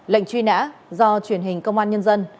lệnh truy nã do truyền hình công an nhân dân